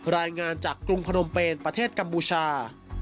รายงานจากกรุงพนมเปญประเทศกัมพูชา